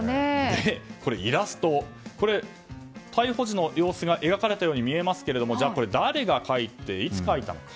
イラスト逮捕時の様子が描かれたように見えますけれども、誰が描いていつ描いたのか。